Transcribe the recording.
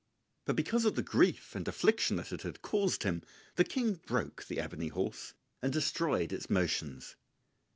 But because of the grief and affliction that it had caused him the King broke the ebony horse and destroyed its motions.